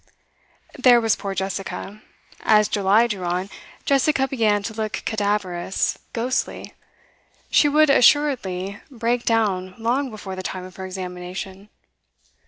There was poor Jessica. As July drew on, Jessica began to look cadaverous, ghostly. She would assuredly break down long before the time of her examination.